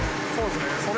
そうですね。